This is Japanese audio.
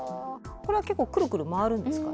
これは結構クルクル回るんですか？